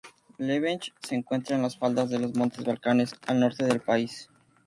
Lovech se encuentra en las faldas de los montes Balcanes, al norte del país.